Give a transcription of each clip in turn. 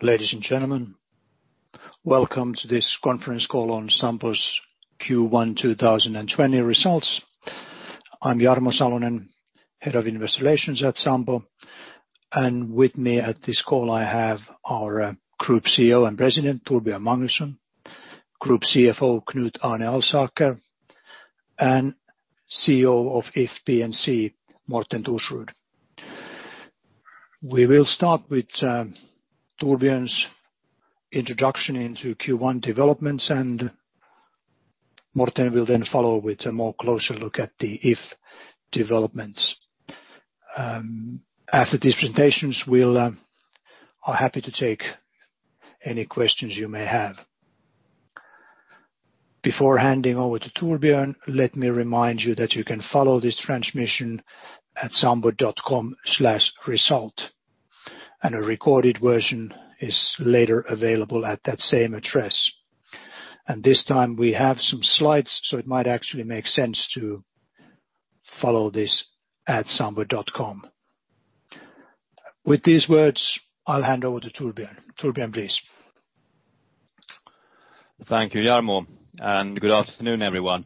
Ladies and gentlemen, welcome to this conference call on Sampo's Q1 2020 results. I'm Jarmo Salonen, Head of Investor Relations at Sampo. With me at this call, I have our Group CEO and President, Torbjörn Magnusson, Group CFO, Knut Arne Alsaker, and CEO of If P&C, Morten Thorsrud. We will start with Torbjörn's introduction into Q1 developments, and Morten will then follow with a more closer look at the If developments. After these presentations, we are happy to take any questions you may have. Before handing over to Torbjörn, let me remind you that you can follow this transmission at sampo.com/result, and a recorded version is later available at that same address. This time we have some slides, so it might actually make sense to follow this at Sampo.com. With these words, I'll hand over to Torbjörn. Torbjörn, please. Thank you, Jarmo, and good afternoon, everyone.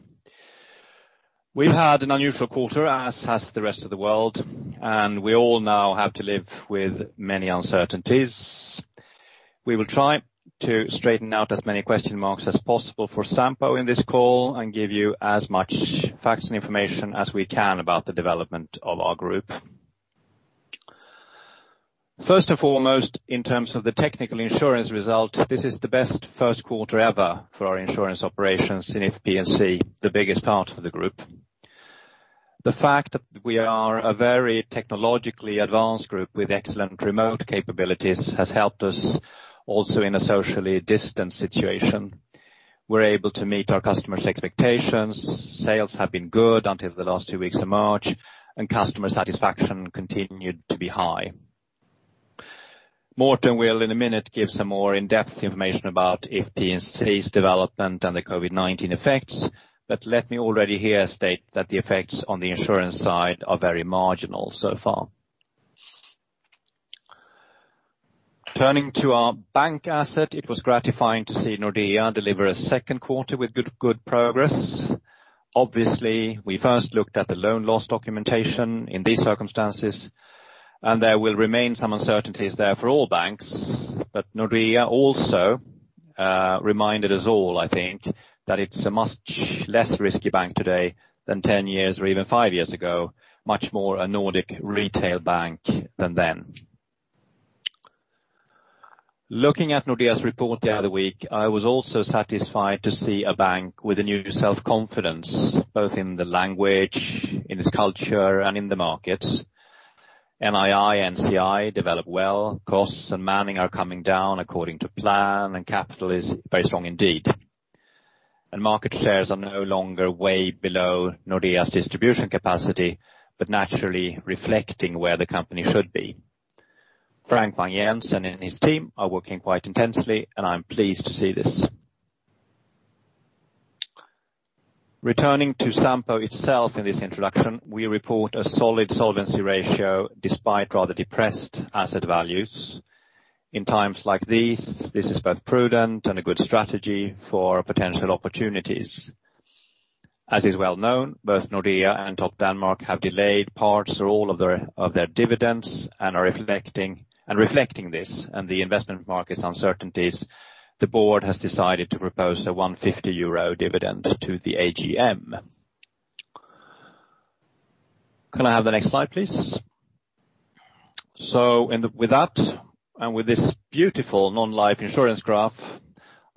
We've had an unusual quarter, as has the rest of the world, and we all now have to live with many uncertainties. We will try to straighten out as many question marks as possible for Sampo in this call and give you as much facts and information as we can about the development of our group. First and foremost, in terms of the technical insurance result, this is the best first quarter ever for our insurance operations in If P&C, the biggest part of the group. The fact that we are a very technologically advanced group with excellent remote capabilities has helped us also in a socially distant situation. We're able to meet our customers' expectations. Sales have been good until the last two weeks of March, and customer satisfaction continued to be high. Morten will, in a minute, give some more in-depth information about If P&C's development and the COVID-19 effects. Let me already here state that the effects on the insurance side are very marginal so far. Turning to our bank asset, it was gratifying to see Nordea deliver a second quarter with good progress. Obviously, we first looked at the loan loss documentation in these circumstances. There will remain some uncertainties there for all banks. Nordea also reminded us all, I think, that it's a much less risky bank today than 10 years or even five years ago, much more a Nordic retail bank than then. Looking at Nordea's report the other week, I was also satisfied to see a bank with a new self-confidence, both in the language, in its culture, and in the market. NII and C/I developed well. Costs and manning are coming down according to plan, and capital is very strong indeed. Market shares are no longer way below Nordea's distribution capacity, but naturally reflecting where the company should be. Frank Vang-Jensen and his team are working quite intensely, and I'm pleased to see this. Returning to Sampo itself in this introduction, we report a solid solvency ratio despite rather depressed asset values. In times like these, this is both prudent and a good strategy for potential opportunities. As is well known, both Nordea and Topdanmark have delayed parts or all of their dividends and are reflecting this and the investment market's uncertainties. The board has decided to propose a 1.50 euro dividend to the AGM. Can I have the next slide, please? With that, with this beautiful non-life insurance graph,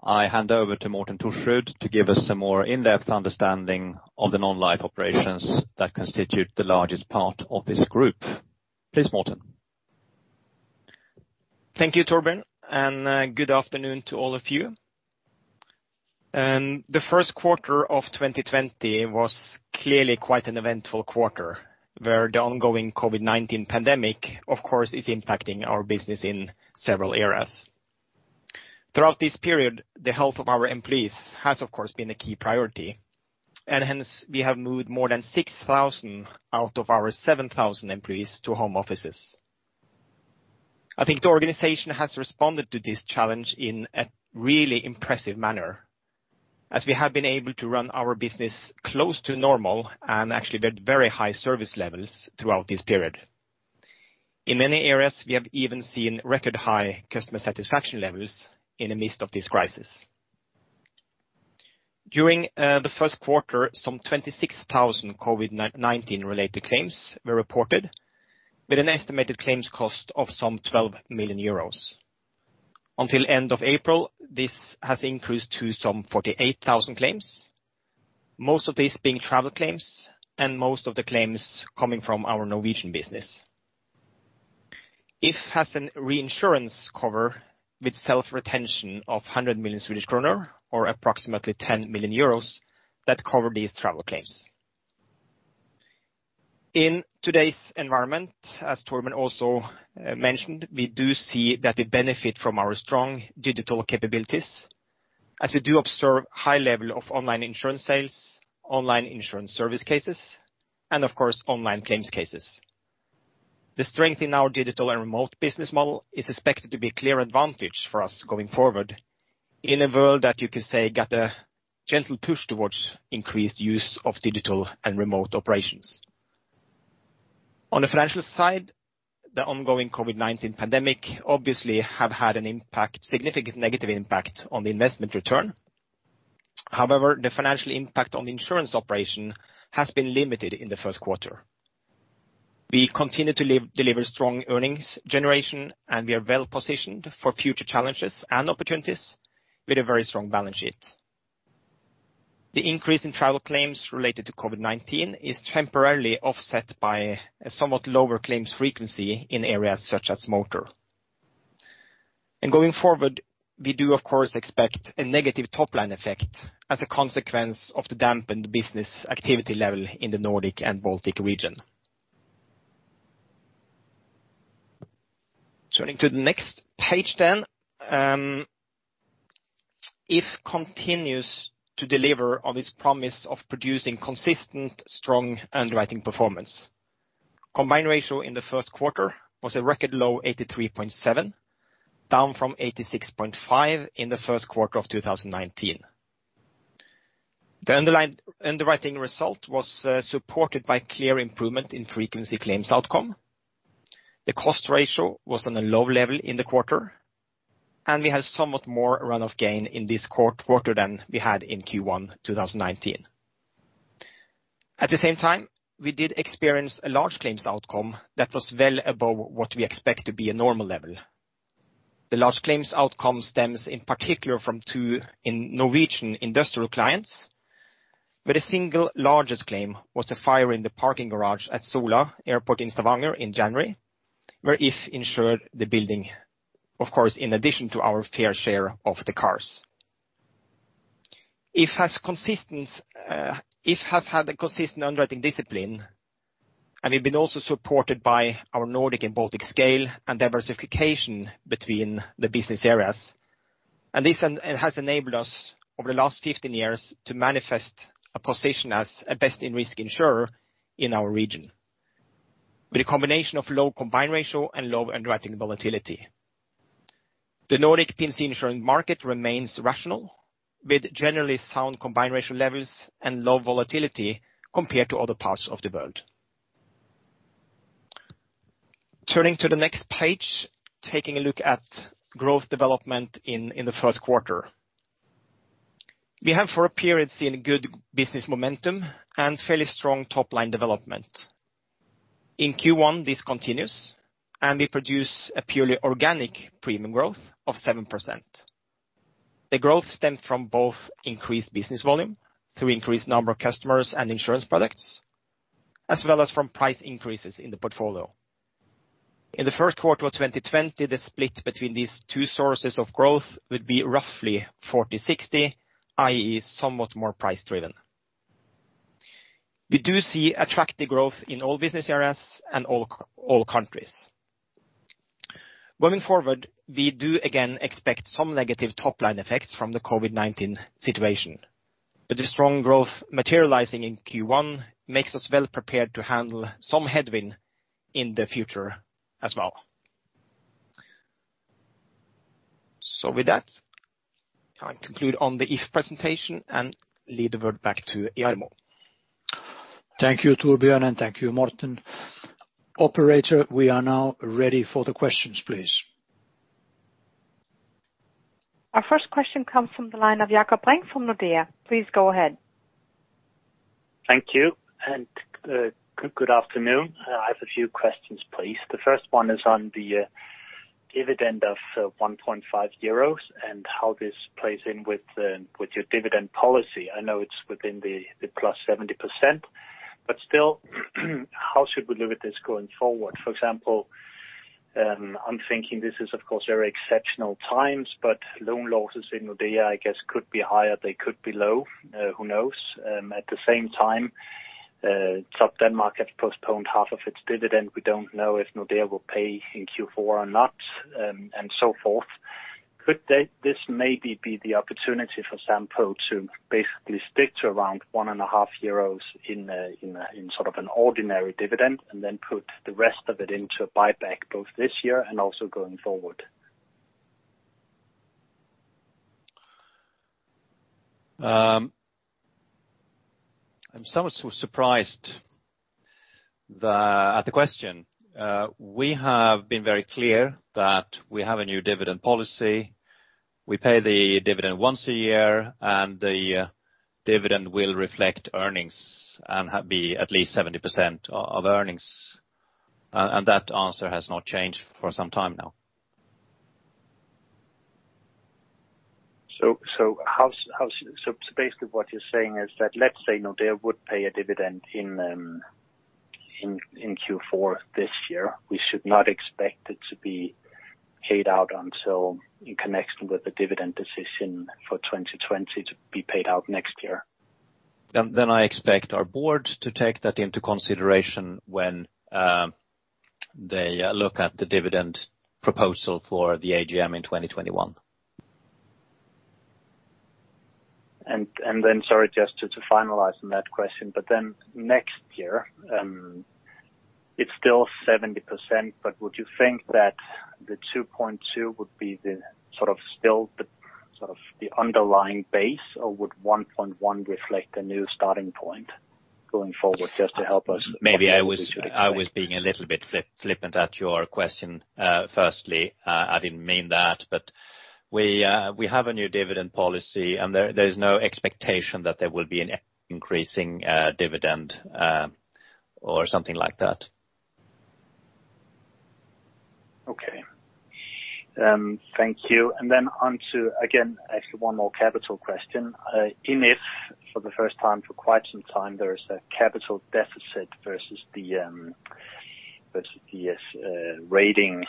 I hand over to Morten Thorsrud to give us some more in-depth understanding of the non-life operations that constitute the largest part of this group. Please, Morten. Thank you, Torbjörn, and good afternoon to all of you. The first quarter of 2020 was clearly quite an eventful quarter, where the ongoing COVID-19 pandemic, of course, is impacting our business in several areas. Throughout this period, the health of our employees has, of course, been a key priority, and hence we have moved more than 6,000 out of our 7,000 employees to home offices. I think the organization has responded to this challenge in a really impressive manner, as we have been able to run our business close to normal and actually at very high service levels throughout this period. In many areas, we have even seen record high customer satisfaction levels in the midst of this crisis. During the first quarter, some 26,000 COVID-19 related claims were reported with an estimated claims cost of some 12 million euros. Until end of April, this has increased to some 48,000 claims, most of these being travel claims, and most of the claims coming from our Norwegian business. If has an reinsurance cover with self-retention of 100 million Swedish kronor or approximately 10 million euros, that cover these travel claims. In today's environment, as Torbjörn also mentioned, we do see that we benefit from our strong digital capabilities. As we do observe high level of online insurance sales, online insurance service cases, and of course, online claims cases. The strength in our digital and remote business model is expected to be a clear advantage for us going forward in a world that you can say got a gentle push towards increased use of digital and remote operations. On the financial side, the ongoing COVID-19 pandemic obviously have had a significant negative impact on the investment return. However, the financial impact on the insurance operation has been limited in the first quarter. We continue to deliver strong earnings generation, and we are well-positioned for future challenges and opportunities with a very strong balance sheet. The increase in travel claims related to COVID-19 is temporarily offset by a somewhat lower claims frequency in areas such as motor. Going forward, we do of course, expect a negative top-line effect as a consequence of the dampened business activity level in the Nordic and Baltic region. Turning to the next page then. If continues to deliver on its promise of producing consistent, strong underwriting performance. Combined ratio in the first quarter was a record low 83.7%, down from 86.5% in the first quarter of 2019. The underlying underwriting result was supported by clear improvement in frequency claims outcome. The cost ratio was on a low level in the quarter, and we had somewhat more run-off gain in this quarter than we had in Q1 2019. At the same time, we did experience a large claims outcome that was well above what we expect to be a normal level. The large claims outcome stems in particular from two Norwegian industrial clients, where the single largest claim was a fire in the parking garage at Sola Airport in Stavanger in January, where If insured the building, of course, in addition to our fair share of the cars. If has had a consistent underwriting discipline, and we've been also supported by our Nordic and Baltic scale and diversification between the business areas. This has enabled us over the last 15 years to manifest a position as a best in risk insurer in our region, with a combination of low combined ratio and low underwriting volatility. The Nordic P&C insurance market remains rational, with generally sound combined ratio levels and low volatility compared to other parts of the world. Turning to the next page, taking a look at growth development in the first quarter. We have, for a period, seen good business momentum and fairly strong top-line development. In Q1 this continues, and we produce a purely organic premium growth of 7%. The growth stemmed from both increased business volume through increased number of customers and insurance products, as well as from price increases in the portfolio. In the first quarter of 2020, the split between these two sources of growth would be roughly 40/60, i.e., somewhat more price driven. We do see attractive growth in all business areas and all countries. Going forward, we do again expect some negative top-line effects from the COVID-19 situation. The strong growth materializing in Q1 makes us well prepared to handle some headwind in the future as well. With that, I conclude on the If presentation and lead the word back to Jarmo. Thank you, Torbjörn, and thank you, Morten. Operator, we are now ready for the questions, please. Our first question comes from the line of Jakob Brink from Nordea. Please go ahead. Thank you, and good afternoon. I have a few questions, please. The first one is on the dividend of 1.5 euros and how this plays in with your dividend policy. I know it's within the plus 70%, but still how should we look at this going forward? For example, I'm thinking this is, of course, very exceptional times, but loan losses in Nordea, I guess, could be higher, they could be low, who knows? At the same time, Topdanmark has postponed half of its dividend. We don't know if Nordea will pay in Q4 or not, and so forth. Could this maybe be the opportunity for Sampo to basically stick to around 1.5 euros in sort of an ordinary dividend, and then put the rest of it into a buyback both this year and also going forward? I'm somewhat surprised at the question. We have been very clear that we have a new dividend policy. We pay the dividend once a year, and the dividend will reflect earnings and be at least 70% of earnings. That answer has not changed for some time now. Basically what you're saying is that let's say Nordea would pay a dividend in Q4 this year. We should not expect it to be paid out until in connection with the dividend decision for 2020 to be paid out next year. I expect our board to take that into consideration when-They look at the dividend proposal for the AGM in 2021. Sorry, just to finalize on that question, but then next year, it’s still 70%, but would you think that 2.2% would be the underlying base, or would 1.1% reflect a new starting point going forward? Just to help us. Maybe I was being a little bit flippant at your question. Firstly, I didn't mean that, but we have a new dividend policy, and there's no expectation that there will be an increasing dividend or something like that. Okay. Thank you. On to, again, actually one more capital question. In If, for the first time, for quite some time, there is a capital deficit versus the rating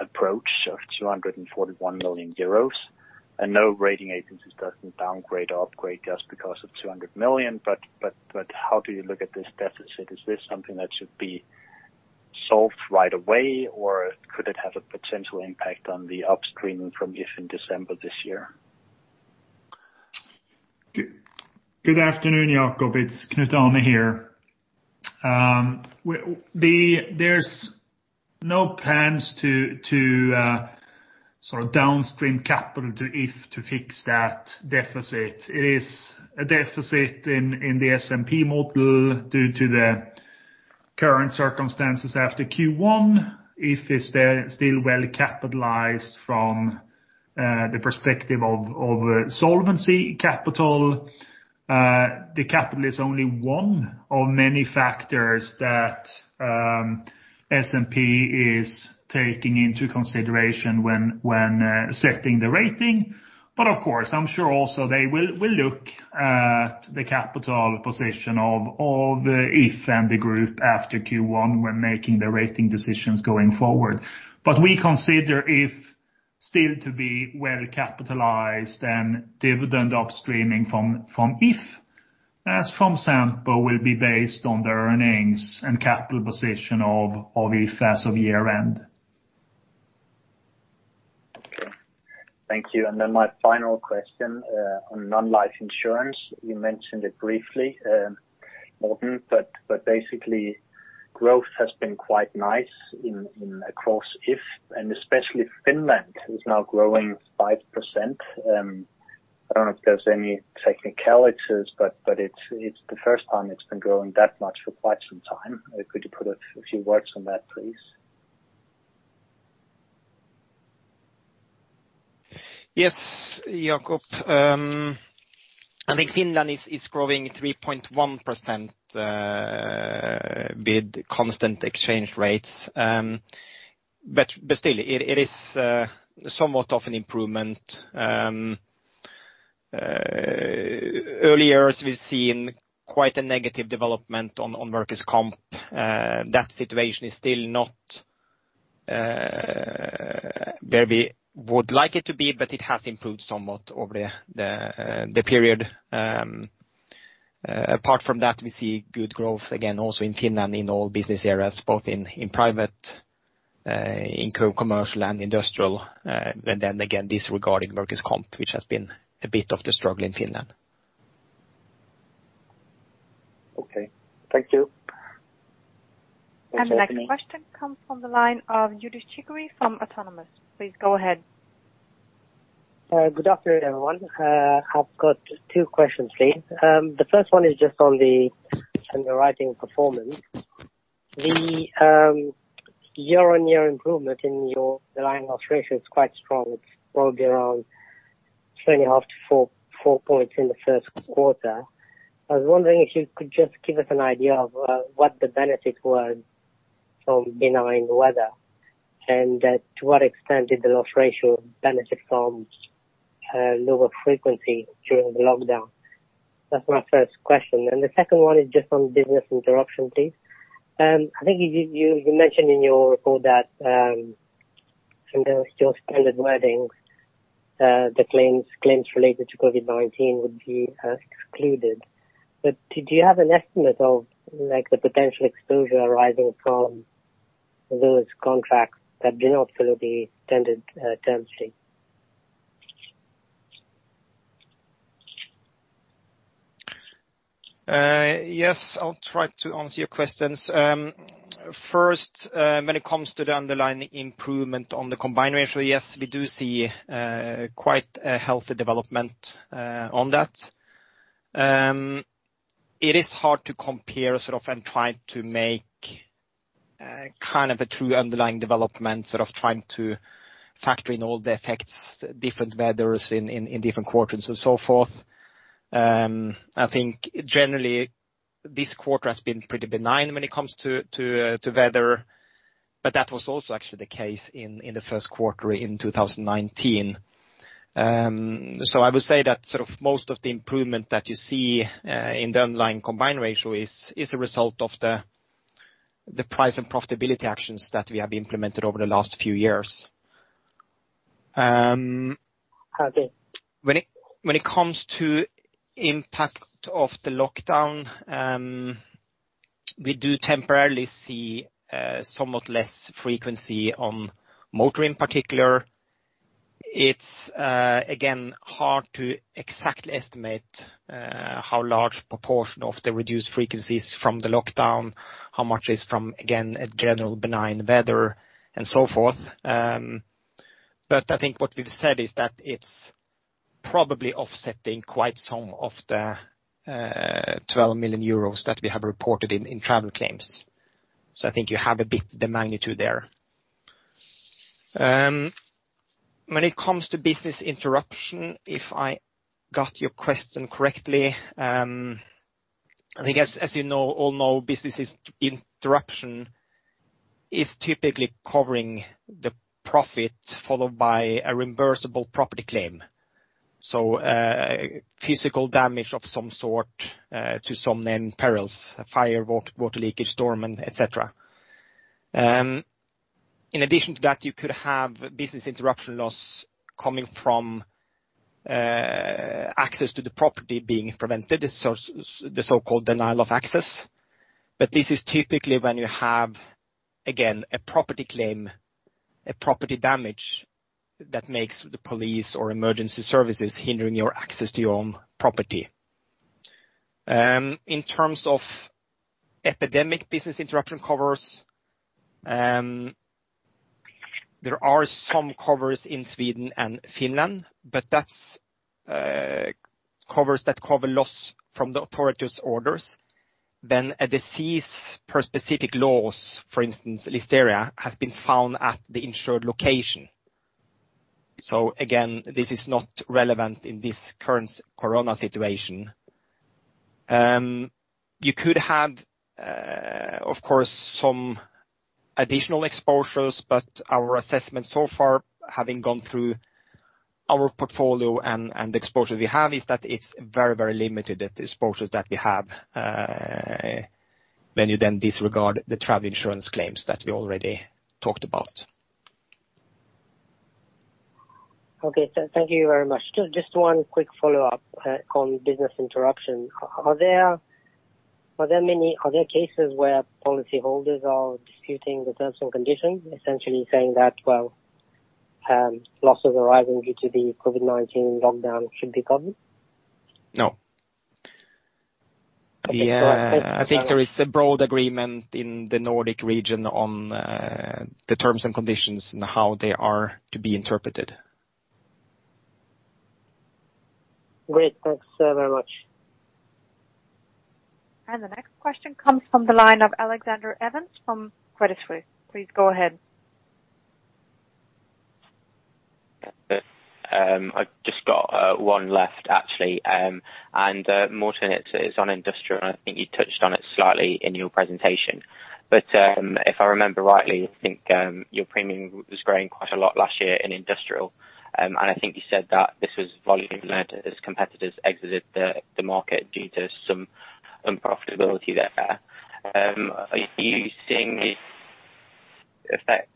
approach of 241 million euros. I know rating agencies doesn't downgrade, upgrade just because of 200 million, how do you look at this deficit? Is this something that should be solved right away, or could it have a potential impact on the upstream from If in December this year? Good afternoon, Jakob. It's Knut Arne here. There's no plans to downstream capital to If to fix that deficit. It is a deficit in the S&P model due to the current circumstances after Q1. If it's still well capitalized from the perspective of solvency capital. The capital is only one of many factors that S&P is taking into consideration when setting the rating. Of course, I'm sure also they will look at the capital position of If and the group after Q1 when making the rating decisions going forward. We consider If still to be well capitalized and dividend upstreaming from If, as from Sampo will be based on the earnings and capital position of If as of year-end. Okay. Thank you. My final question, on non-life insurance, you mentioned it briefly, Morten, but basically growth has been quite nice across If, and especially Finland is now growing 5%. I don't know if there's any technicalities, but it's the first time it's been growing that much for quite some time. Could you put a few words on that, please? Yes, Jakob. I think Finland is growing 3.1% with constant exchange rates. Still it is somewhat of an improvement. Earlier, as we've seen quite a negative development on workers' comp, that situation is still not where we would like it to be, but it has improved somewhat over the period. Apart from that, we see good growth again, also in Finland, in all business areas, both in private, in commercial, and industrial. Again, disregarding workers' comp, which has been a bit of the struggle in Finland. Okay. Thank you. The next question comes from the line of Youdish Chicooree from Autonomous. Please go ahead. Good afternoon, everyone. I've got two questions, please. The first one is just on the underwriting performance. The year-on-year improvement in your underlying loss ratio is quite strong. It's probably around 3.5-4 points in the first quarter. I was wondering if you could just give us an idea of what the benefits were from benign weather, to what extent did the loss ratio benefit from lower frequency during the lockdown? That's my first question. The second one is just on business interruption, please. I think you mentioned in your report that from those standard wordings, the claims related to COVID-19 would be excluded. Did you have an estimate of the potential exposure arising from those contracts that do not follow the terms sheet? Yes, I'll try to answer your questions. When it comes to the underlying improvement on the combined ratio, yes, we do see quite a healthy development on that. It is hard to compare and try to make a true underlying development, trying to factor in all the effects, different weathers in different quarters and so forth. I think generally this quarter has been pretty benign when it comes to weather, that was also actually the case in the first quarter in 2019. I would say that most of the improvement that you see in the underlying combined ratio is a result of the price and profitability actions that we have implemented over the last few years. When it comes to impact of the lockdown, we do temporarily see somewhat less frequency on motor in particular. It's, again, hard to exactly estimate how large proportion of the reduced frequency is from the lockdown, how much is from, again, a general benign weather and so forth. I think what we've said is that it's probably offsetting quite some of the 12 million euros that we have reported in travel claims. I think you have a bit the magnitude there. When it comes to business interruption, if I got your question correctly, I think as you all know, business interruption is typically covering the profit followed by a reimbursable property claim. Physical damage of some sort to some named perils, fire, water leakage, storm, et cetera. In addition to that, you could have business interruption loss coming from access to the property being prevented, the so-called denial of access. This is typically when you have, again, a property claim, a property damage that makes the police or emergency services hindering your access to your own property. In terms of epidemic business interruption covers, there are some covers in Sweden and Finland, but that's covers that cover loss from the authorities orders, then a disease per specific laws, for instance, listeria, has been found at the insured location. Again, this is not relevant in this current corona situation. You could have, of course, some additional exposures, but our assessment so far, having gone through our portfolio and the exposure we have is that it's very limited, the exposures that we have, when you then disregard the travel insurance claims that we already talked about. Okay. Thank you very much. Just one quick follow-up on business interruption. Are there cases where policyholders are disputing the terms and conditions, essentially saying that losses arising due to the COVID-19 lockdown should be covered? No. Okay. I think there is a broad agreement in the Nordic region on the terms and conditions and how they are to be interpreted. Great. Thanks very much. The next question comes from the line of Alexander Evans from Credit Suisse. Please go ahead. I've just got one left, actually. Morten, it is on Industrial, I think you touched on it slightly in your presentation. If I remember rightly, I think your premium was growing quite a lot last year in Industrial. I think you said that this was volume led as competitors exited the market due to some unprofitability there. Are you seeing the effect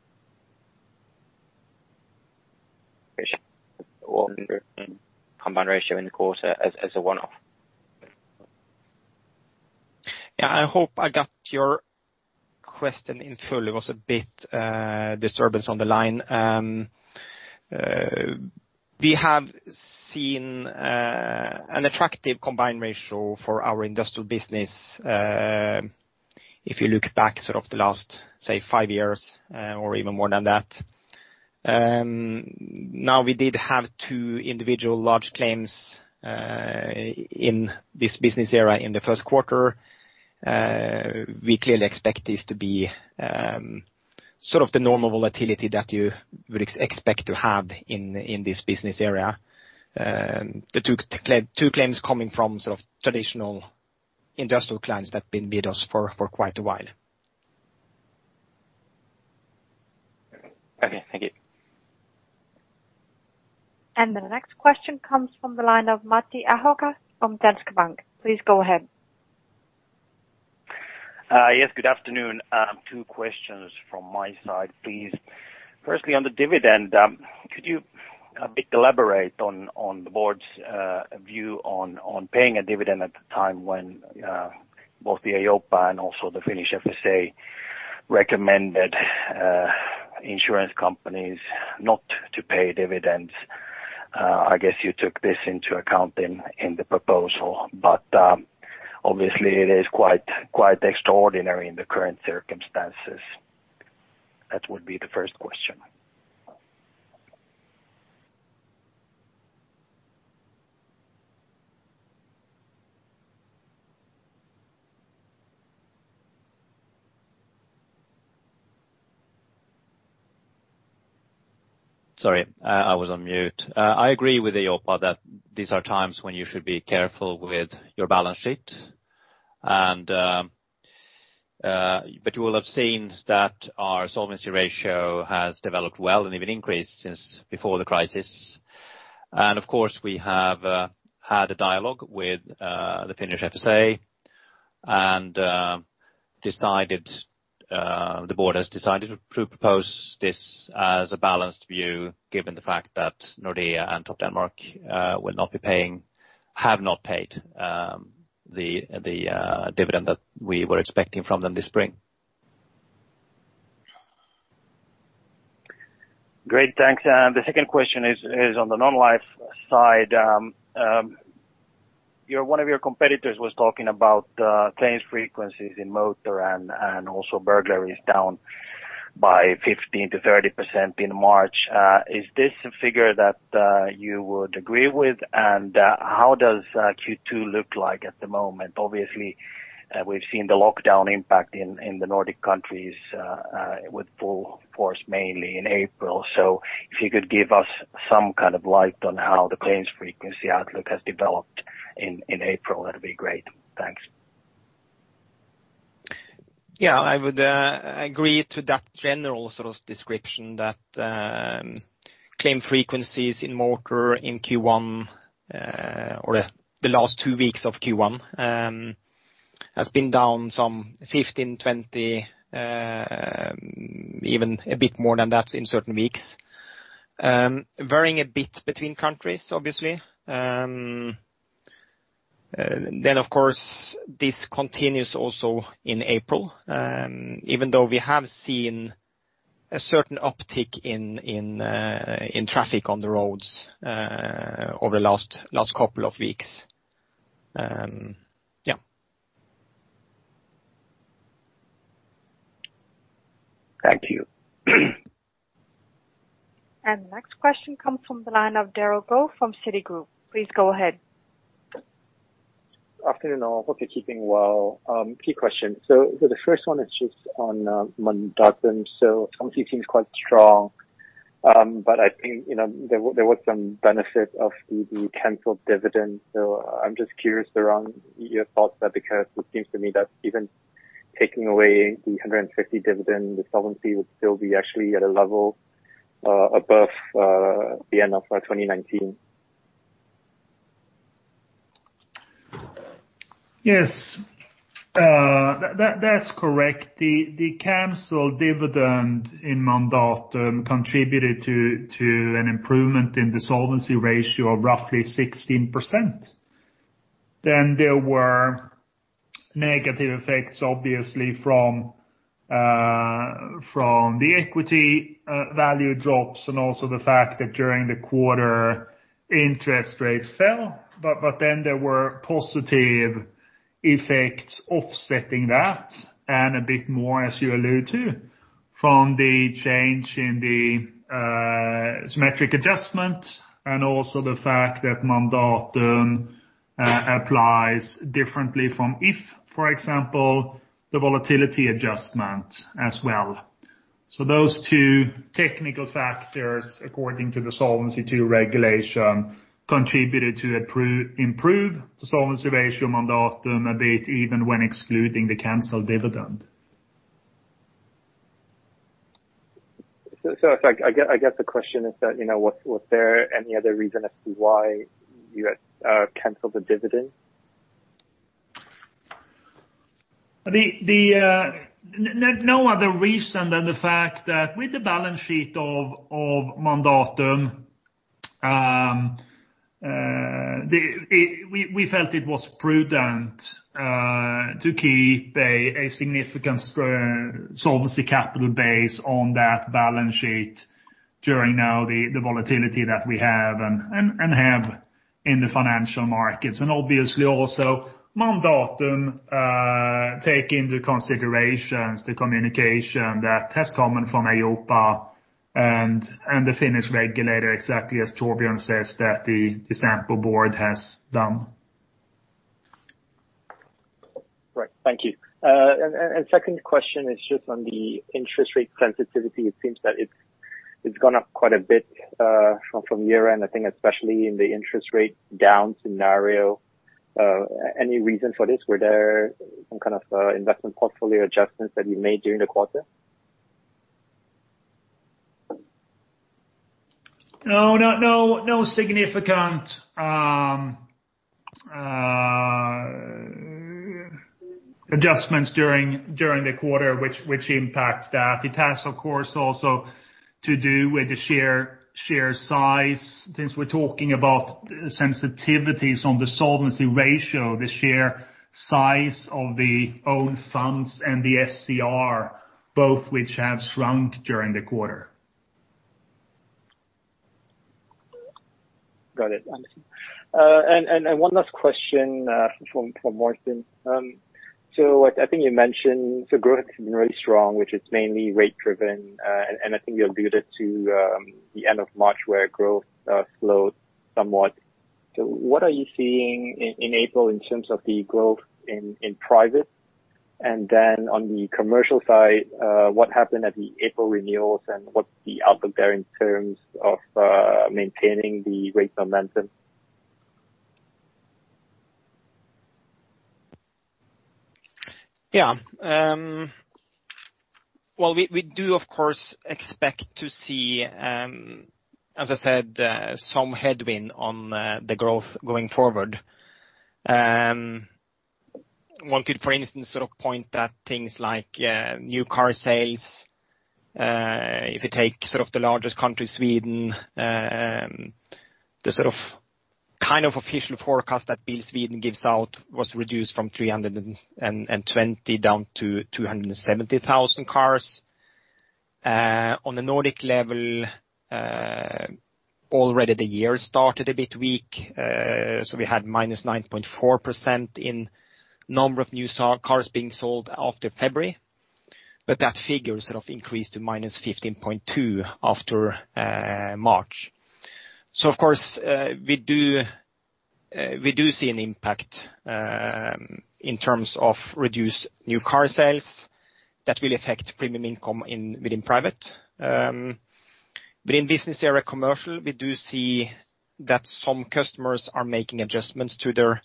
or combined ratio in the quarter as a one-off? Yeah. I hope I got your question in full. It was a bit disturbance on the line. We have seen an attractive combined ratio for our industrial business, if you look back the last, say, five years or even more than that. We did have two individual large claims in this business area in the first quarter. We clearly expect this to be the normal volatility that you would expect to have in this business area. The two claims coming from traditional industrial clients that have been with us for quite a while. Okay. Thank you. The next question comes from the line of Matti Ahokas from Danske Bank. Please go ahead. Yes, good afternoon. Two questions from my side, please. Firstly, on the dividend, could you a bit elaborate on the board's view on paying a dividend at a time when both the EIOPA and also the Finnish FSA recommended insurance companies not to pay dividends. I guess you took this into account in the proposal, but obviously it is quite extraordinary in the current circumstances. That would be the first question. Sorry, I was on mute. I agree with EIOPA that these are times when you should be careful with your balance sheet. You will have seen that our solvency ratio has developed well and even increased since before the crisis. Of course, we have had a dialogue with the Finnish FSA, and the board has decided to propose this as a balanced view, given the fact that Nordea and Topdanmark have not paid the dividend that we were expecting from them this spring. Great, thanks. The second question is on the non-life side. One of your competitors was talking about claims frequencies in motor, and also burglaries down by 15%-30% in March. Is this a figure that you would agree with? How does Q2 look like at the moment? Obviously, we've seen the lockdown impact in the Nordic countries with full force, mainly in April. If you could give us some kind of light on how the claims frequency outlook has developed in April, that'd be great. Thanks. Yeah. I would agree to that general sort of description that claim frequencies in motor in Q1, or the last two weeks of Q1, has been down some 15%, 20%, even a bit more than that in certain weeks. Varying a bit between countries, obviously. Of course, this continues also in April, even though we have seen a certain uptick in traffic on the roads over the last couple of weeks. Yeah. Thank you. Next question comes from the line of Derald Goh from Citigroup. Please go ahead. Afternoon, all. Hope you're keeping well. A few questions. The first one is just on Mandatum. Solvency seems quite strong. I think there was some benefit of the canceled dividend. I'm just curious around your thoughts there, because it seems to me that even taking away the 1.50 dividend, the solvency would still be actually at a level above the end of 2019. Yes. That's correct. The canceled dividend in Mandatum contributed to an improvement in the solvency ratio of roughly 16%. There were negative effects, obviously, from the equity value drops and also the fact that during the quarter, interest rates fell. There were positive effects offsetting that, and a bit more, as you allude to, from the change in the symmetric adjustment, and also the fact that Mandatum applies differently from If, for example, the volatility adjustment as well. Those two technical factors, according to the Solvency II regulation, contributed to improve the solvency ratio of Mandatum a bit, even when excluding the canceled dividend. I guess the question is that was there any other reason as to why you guys canceled the dividend? No other reason than the fact that with the balance sheet of Mandatum, we felt it was prudent to keep a significant solvency capital base on that balance sheet during the volatility that we have and have in the financial markets. Obviously also Mandatum take into considerations the communication that has come in from EIOPA and the Finnish regulator, exactly as Torbjörn says that the Sampo board has done. Right. Thank you. Second question is just on the interest rate sensitivity. It seems that it's gone up quite a bit from year-end, I think especially in the interest rate down scenario. Any reason for this? Were there some kind of investment portfolio adjustments that you made during the quarter? No significant adjustments during the quarter which impacts that. It has, of course, also to do with the sheer size. Since we're talking about sensitivities on the solvency ratio, the sheer size of the own funds and the SCR, both which have shrunk during the quarter. Got it. Understood. One last question from Morten. I think you mentioned the growth has been really strong, which is mainly rate-driven. I think you alluded to the end of March, where growth slowed somewhat. What are you seeing in April in terms of the growth in prices? On the commercial side, what happened at the April renewals and what's the outlook there in terms of maintaining the rate momentum? Well, we do of course, expect to see, as I said, some headwind on the growth going forward. One could, for instance, point at things like new car sales. If you take the largest country, Sweden, the official forecast that BIL Sweden gives out was reduced from 320,000 down to 270,000 cars. On the Nordic level, already the year started a bit weak. We had -9.4% in number of new cars being sold after February, but that figure increased to -15.2% after March. Of course, we do see an impact in terms of reduced new car sales that will affect premium income within private. In business area commercial, we do see that some customers are making adjustments to their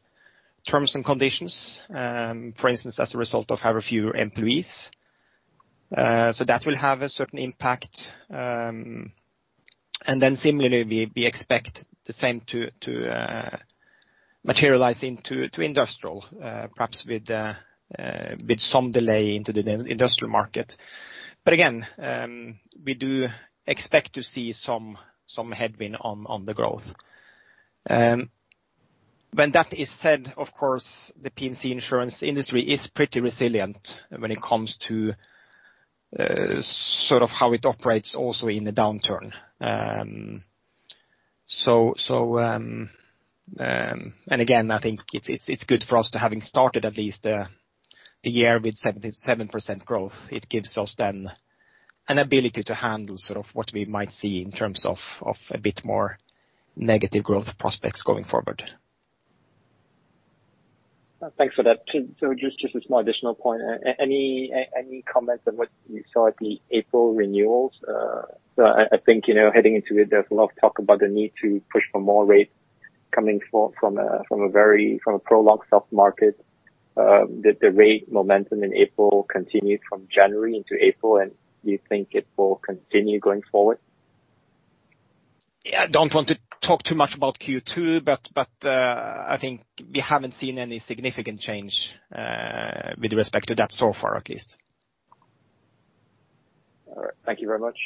terms and conditions, for instance, as a result of having fewer employees. That will have a certain impact. Similarly, we expect the same to materialize into industrial, perhaps with a bit some delay into the industrial market. We do expect to see some headwind on the growth. When that is said, of course, the P&C insurance industry is pretty resilient when it comes to how it operates also in the downturn. I think it's good for us to having started at least the year with 7% growth. It gives us then an ability to handle what we might see in terms of a bit more negative growth prospects going forward. Thanks for that. Just a small additional point. Any comments on what you saw at the April renewals? I think heading into it, there was a lot of talk about the need to push for more rates coming from a prolonged soft market. Did the rate momentum in April continue from January into April, and do you think it will continue going forward? Yeah. I don't want to talk too much about Q2, I think we haven't seen any significant change with respect to that so far, at least. All right. Thank you very much.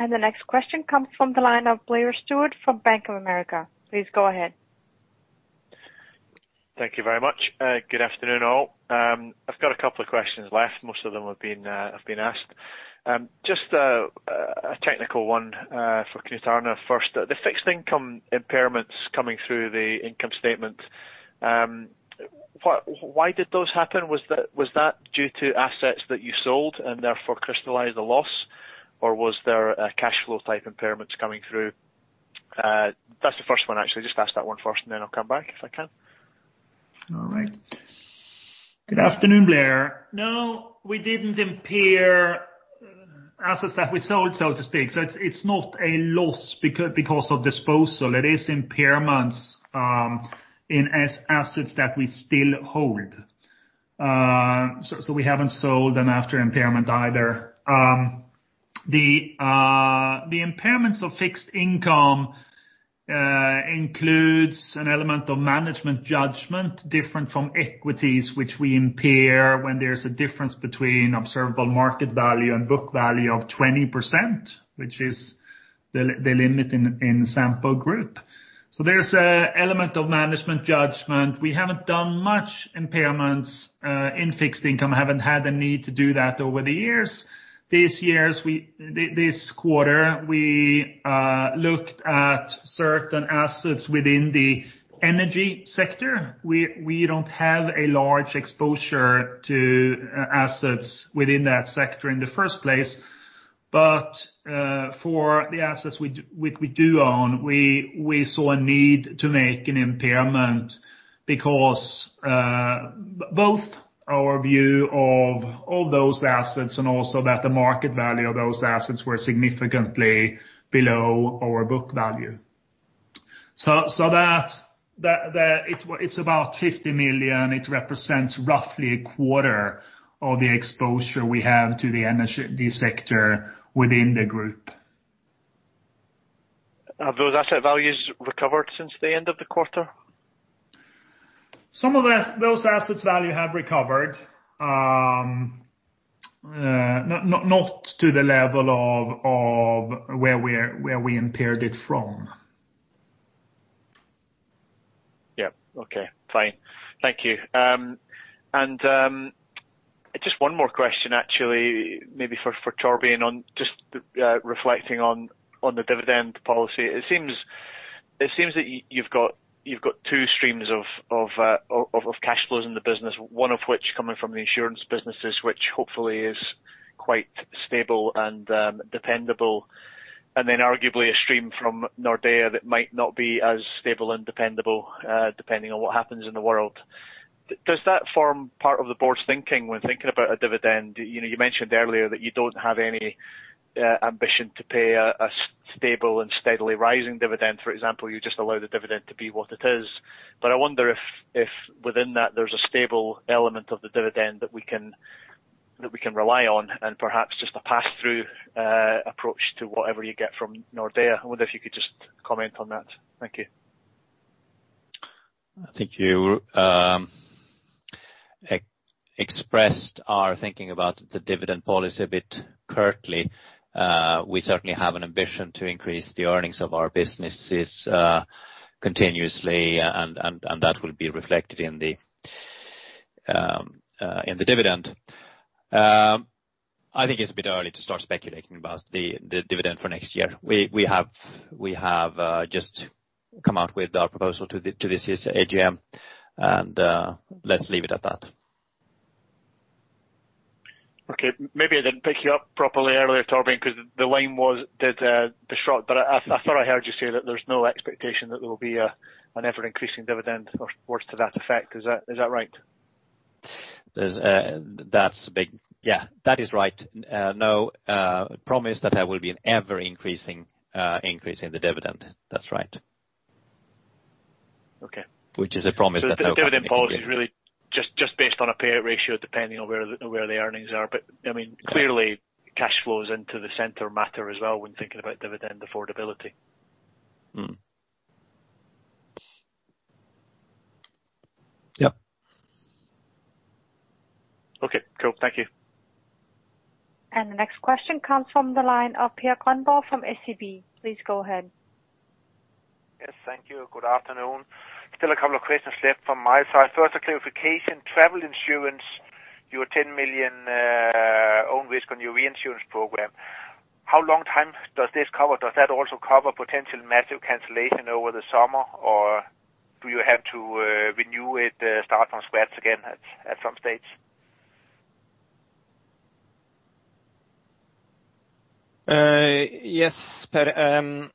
The next question comes from the line of Blair Stewart from Bank of America. Please go ahead. Thank you very much. Good afternoon all. I've got a couple of questions left. Most of them have been asked. Just a technical one for Knut Arne first. The fixed income impairments coming through the income statement. Why did those happen? Was that due to assets that you sold and therefore crystallized a loss? Or was there a cash flow type impairments coming through? That's the first one, actually. Just ask that one first, and then I'll come back if I can. Good afternoon, Blair. We didn't impair assets that we sold, so to speak. It's not a loss because of disposal. It is impairments in assets that we still hold. We haven't sold them after impairment either. The impairments of fixed income includes an element of management judgment, different from equities, which we impair when there's a difference between observable market value and book value of 20%, which is the limit in Sampo Group. There's a element of management judgment. We haven't done much impairments in fixed income, haven't had the need to do that over the years. This quarter, we looked at certain assets within the energy sector. We don't have a large exposure to assets within that sector in the first place. For the assets we do own, we saw a need to make an impairment because both our view of all those assets and also that the market value of those assets were significantly below our book value. That, it's about 50 million. It represents roughly a quarter of the exposure we have to the sector within the group. Have those asset values recovered since the end of the quarter? Some of those assets' value have recovered. Not to the level of where we impaired it from. Yep. Okay, fine. Thank you. Just one more question, actually, maybe for Torbjörn on just reflecting on the dividend policy. It seems that you've got two streams of cash flows in the business, one of which coming from the insurance businesses, which hopefully is quite stable and dependable, and then arguably a stream from Nordea that might not be as stable and dependable, depending on what happens in the world. Does that form part of the board's thinking when thinking about a dividend? You mentioned earlier that you don't have any ambition to pay a stable and steadily rising dividend, for example, you just allow the dividend to be what it is. I wonder if within that there's a stable element of the dividend that we can rely on, and perhaps just a pass-through approach to whatever you get from Nordea. I wonder if you could just comment on that. Thank you. I think you expressed our thinking about the dividend policy a bit curtly. We certainly have an ambition to increase the earnings of our businesses continuously, and that will be reflected in the dividend. I think it's a bit early to start speculating about the dividend for next year. We have just come out with our proposal to this year's AGM, and let's leave it at that. Okay. Maybe I didn't pick you up properly earlier, Torbjörn, because the line was distort, but I thought I heard you say that there's no expectation that there will be an ever-increasing dividend or words to that effect. Is that right? Yeah. That is right. No promise that there will be an ever-increasing increase in the dividend. That's right. Okay. Which is a promise that no company can give. The dividend policy is really just based on a payout ratio, depending on where the earnings are. Clearly cash flows into the center matter as well when thinking about dividend affordability. Mm-hmm. Yep. Okay, cool. Thank you. The next question comes from the line of Per Grønborg from SEB. Please go ahead. Yes, thank you. Good afternoon. Still a couple of questions left from my side. First, a clarification. Travel insurance, your 10 million own risk on your reinsurance program. How long time does this cover? Does that also cover potential massive cancellation over the summer, or do you have to renew it, start from scratch again at some stage? Yes, Per.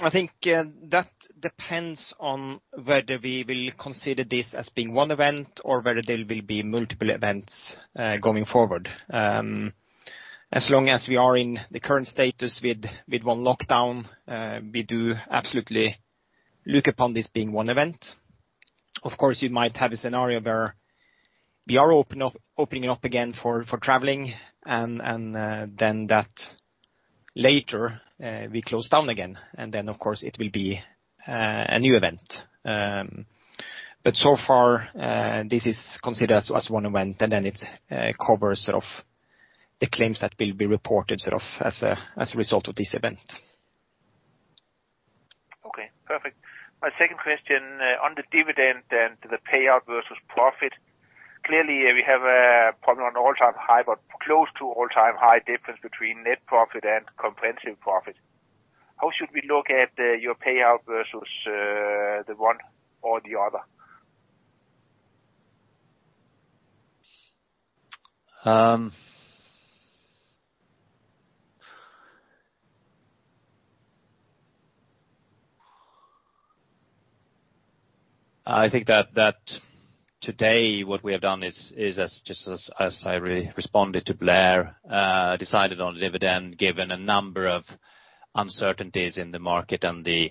I think that depends on whether we will consider this as being one event or whether there will be multiple events going forward. As long as we are in the current status with one lockdown, we do absolutely look upon this being one event. Of course, you might have a scenario where we are opening up again for traveling and then that later we close down again, and then of course it will be a new event. So far, this is considered as one event, and then it covers the claims that will be reported as a result of this event. Okay, perfect. My second question on the dividend and the payout versus profit. Clearly, we have a problem on all-time high, but close to all-time high difference between net profit and comprehensive profit. How should we look at your payout versus the one or the other? I think that today what we have done is as just as I responded to Blair, decided on dividend given a number of uncertainties in the market and the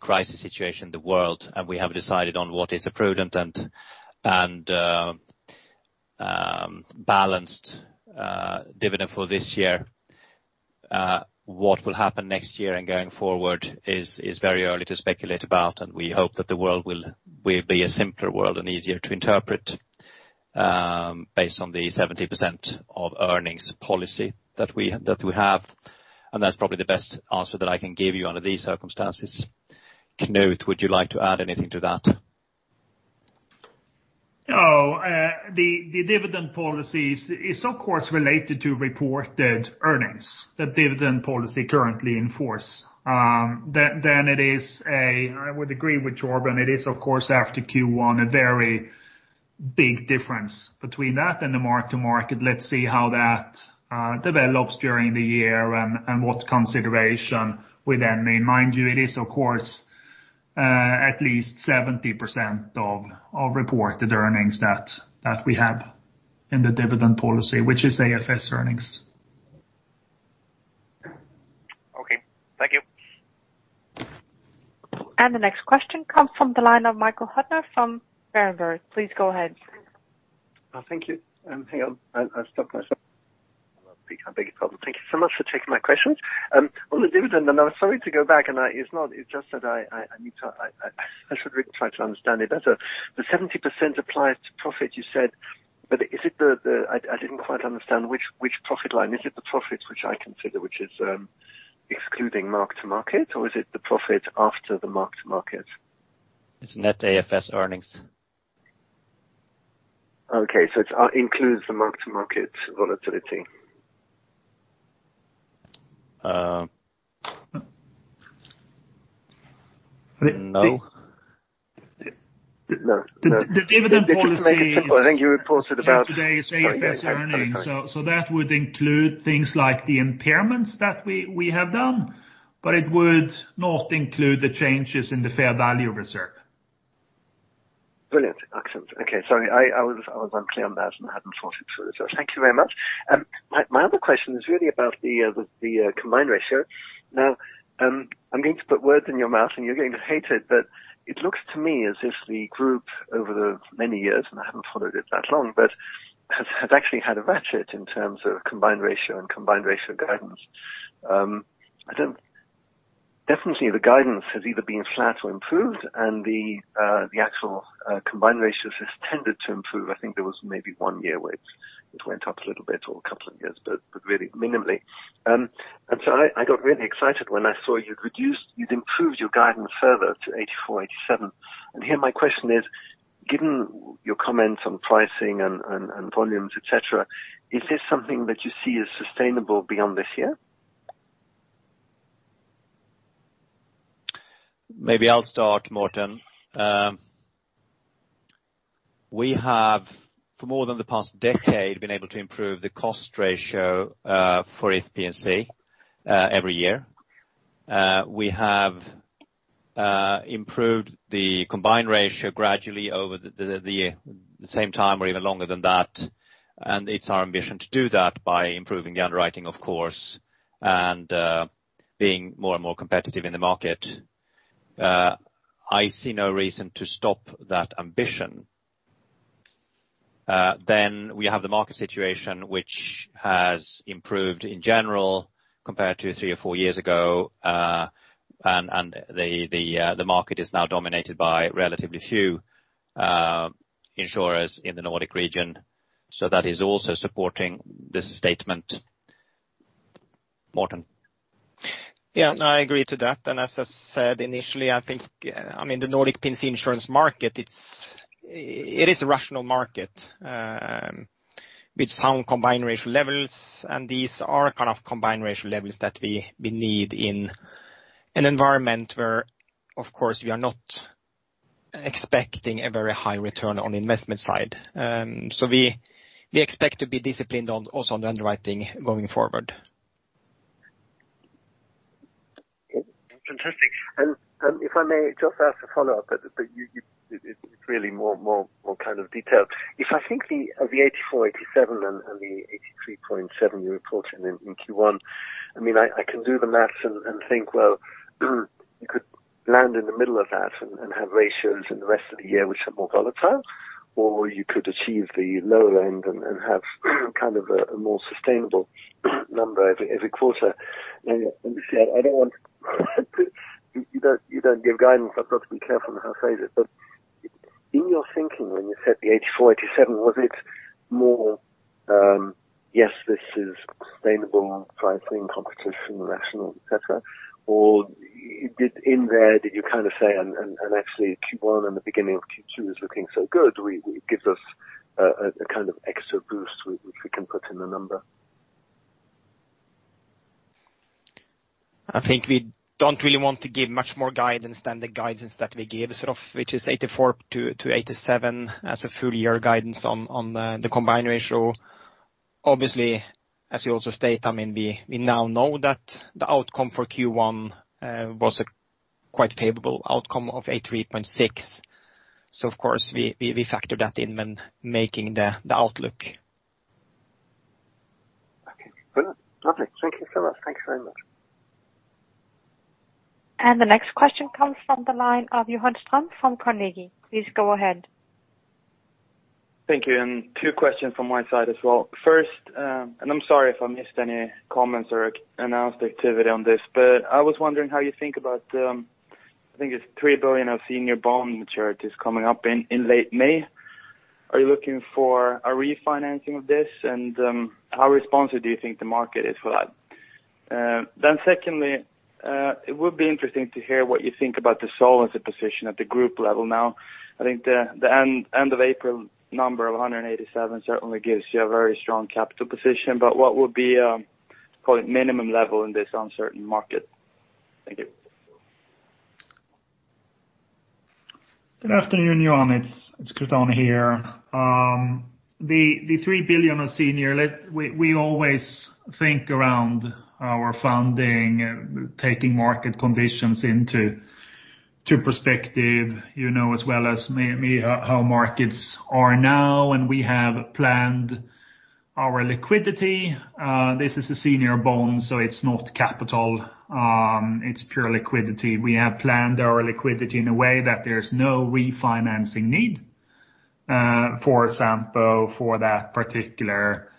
crisis situation in the world, and we have decided on what is a prudent and balanced dividend for this year. What will happen next year and going forward is very early to speculate about, we hope that the world will be a simpler world and easier to interpret based on the 70% of earnings policy that we have. That's probably the best answer that I can give you under these circumstances. Knut, would you like to add anything to that? No. The dividend policy is of course related to reported earnings, the dividend policy currently in force. I would agree with Torbjörn, it is, of course, after Q1, a very big difference between that and the mark-to-market. Let's see how that develops during the year and what consideration we then make. Mind you, it is, of course, at least 70% of reported earnings that we have in the dividend policy, which is AFS earnings. Okay. Thank you. The next question comes from the line of Michael Huttner from Berenberg. Please go ahead. Thank you. Hang on. I've stopped myself. I beg your pardon. Thank you so much for taking my questions. On the dividend. I'm sorry to go back, and it's just that I should really try to understand it better. The 70% applies to profit, you said. I didn't quite understand which profit line. Is it the profit which I consider, which is excluding mark-to-market, or is it the profit after the mark-to-market? It's net AFS earnings. It includes the mark-to-market volatility. No. The dividend policy- If you can make it simple, I think you reported about- Today's AFS earnings. Sorry. That would include things like the impairments that we have done, but it would not include the changes in the fair value reserve. Brilliant. Excellent. Okay. Sorry, I was unclear on that and I hadn't thought it through. Thank you very much. My other question is really about the combined ratio. I'm going to put words in your mouth and you're going to hate it, but it looks to me as if the group over the many years, and I haven't followed it that long, but has actually had a ratchet in terms of combined ratio and combined ratio guidance. Definitely the guidance has either been flat or improved and the actual, combined ratios has tended to improve. I think there was maybe one year where it went up a little bit or a couple of years, but really minimally. I got really excited when I saw you'd improved your guidance further to 84%-87%. Here my question is, given your comments on pricing and volumes, et cetera, is this something that you see as sustainable beyond this year? Maybe I'll start, Morten. We have, for more than the past decade, been able to improve the cost ratio for If P&C every year. We have improved the combined ratio gradually over the same time or even longer than that. It's our ambition to do that by improving the underwriting, of course, and being more and more competitive in the market. I see no reason to stop that ambition. We have the market situation, which has improved in general compared to three or four years ago. The market is now dominated by relatively few insurers in the Nordic region. That is also supporting this statement. Morten. I agree to that. As I said initially, I think the Nordic P&C insurance market, it is a rational market, with sound combined ratio levels, and these are combined ratio levels that we need in an environment where, of course, we are not expecting a very high return on the investment side. We expect to be disciplined also on the underwriting going forward. Fantastic. If I may just ask a follow-up, it's really more detailed. If I think of the 84%, 87% and the 83.7% you reported in Q1, I can do the math and think, well, you could land in the middle of that and have ratios in the rest of the year which are more volatile, or you could achieve the lower end and have a more sustainable number every quarter. Obviously, you don't give guidance. I've got to be careful in how I phrase it, in your thinking when you set the 84%, 87%, was it more, yes, this is sustainable pricing competition rational, et cetera, or in there did you say and actually Q1 and the beginning of Q2 is looking so good, it gives us a kind of extra boost which we can put in the number? I think we don't really want to give much more guidance than the guidance that we gave sort of, which is 84%-87% as a full year guidance on the combined ratio. Obviously, as you also state, we now know that the outcome for Q1 was a quite favorable outcome of 83.6%. Of course, we factor that in when making the outlook. Okay, brilliant. Lovely. Thank you so much. Thanks very much. The next question comes from the line of Johan Ström from Carnegie. Please go ahead. Thank you, and two questions from my side as well. First, I'm sorry if I missed any comments or announced activity on this, but I was wondering how you think about, I think it's 3 billion of senior bond maturities coming up in late May. Are you looking for a refinancing of this, and how responsive do you think the market is for that? Secondly, it would be interesting to hear what you think about the solvency position at the group level now. I think the end of April number of 187% certainly gives you a very strong capital position, but what would be, call it minimum level in this uncertain market? Thank you. Good afternoon, Johan. It's Knut Arne here. The 3 billion of senior, we always think around our funding, taking market conditions into perspective. You know as well as me how markets are now, and we have planned our liquidity. This is a senior bond, so it's not capital. It's pure liquidity. We have planned our liquidity in a way that there's no refinancing need, for example, for that particular bond,